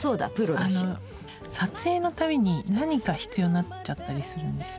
あの撮影のたびに何か必要になっちゃったりするんですよ。